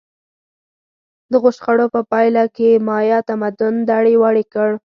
دغو شخړو په پایله کې مایا تمدن دړې وړې کړ.